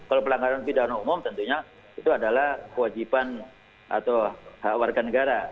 kalau pelanggaran pidana umum tentunya itu adalah kewajiban atau hak warga negara